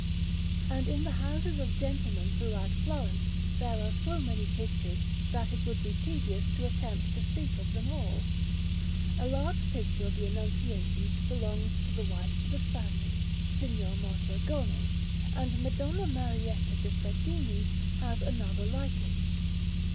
And in the houses of gentlemen throughout Florence there are so many pictures, that it would be tedious to attempt to speak of them all. A large picture of the Annunciation belongs to the wife of the Spaniard, Signor Mondragone, and Madonna Marietta de' Fedini has another like it.